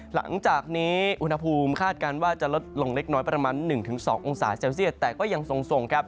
หลังจากนี้อุณหภูมิคาดการณ์ว่าจะลดลงเล็กน้อยประมาณ๑๒องศาเซลเซียตแต่ก็ยังทรงครับ